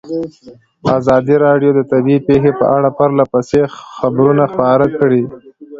ازادي راډیو د طبیعي پېښې په اړه پرله پسې خبرونه خپاره کړي.